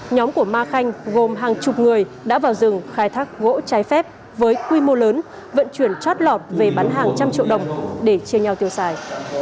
nhóm của ma khanh gồm hàng chục người đã vào rừng khai thác gỗ trái phép với quy mô lớn vận chuyển chót lọt về bán hàng trăm triệu đồng để chia nhau tiêu xài